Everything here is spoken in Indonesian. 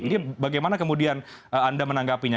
ini bagaimana kemudian anda menanggapinya